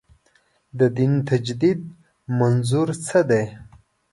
د دین تجدید منظور څه دی.